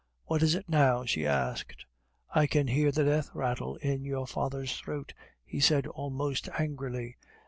"What is it now?" she asked. "I can hear the death rattle in your father's throat," he said almost angrily.